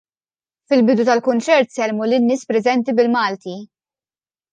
Fil-bidu tal-kunċert sellmu lin-nies preżenti bil-Malti.